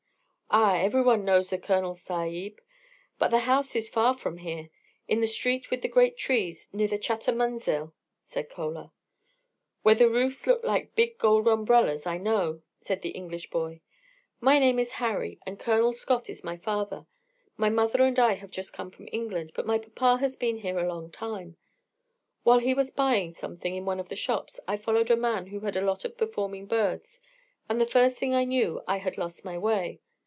"Ah, every one knows the Colonel Sahib; but the house is far from here; in the street with the great trees near the Chutter Munzil," said Chola. "Where the roofs look like big gold umbrellas, I know," said the English boy. "My name is Harry, and Colonel Scott is my father. My mother and I have just come from England; but my papa has been here a long time. While he was buying something in one of the shops, I followed a man who had a lot of performing birds; and the first thing I knew I had lost my way."